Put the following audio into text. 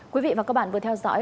cảm ơn các bạn đã theo dõi